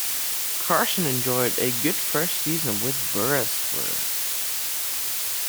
Carson enjoyed a good first season with Bursaspor.